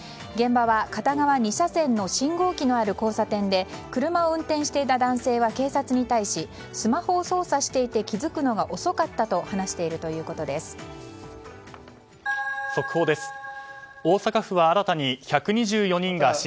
現場は片側２車線の信号機のある交差点で車を運転していた男性は警察に対しスマホを操作していて気づくのが遅かったと話しているということです。